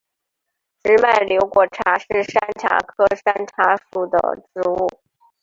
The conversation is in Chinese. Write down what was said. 直脉瘤果茶是山茶科山茶属的植物。